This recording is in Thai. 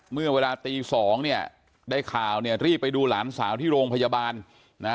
เมื่อเวลาตีสองเนี่ยได้ข่าวเนี่ยรีบไปดูหลานสาวที่โรงพยาบาลนะฮะ